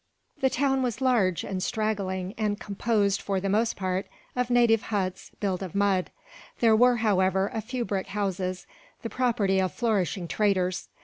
The town was large and straggling and composed, for the most part, of native huts built of mud. There were, however, a few brick houses, the property of flourishing traders.